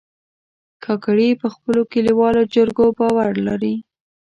کاکړي په خپلو کلیوالو جرګو باور لري.